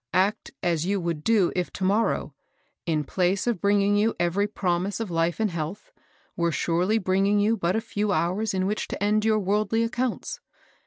Act as you would do if to morrow, in place of bringing you every prom ise of life and health, were surely bringing you but a few hours in which to end your worldly accounts.